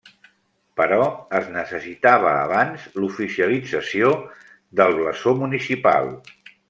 Però es necessitava abans l'oficialització del blasó municipal.